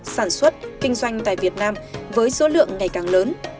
sản xuất kinh doanh tại việt nam với số lượng ngày càng lớn